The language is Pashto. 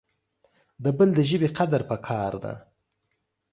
د بل دژبي قدر پکار د